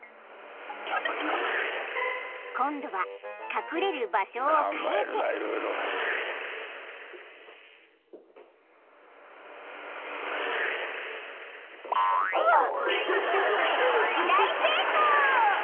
［今度は隠れる場所を変えて］ああ！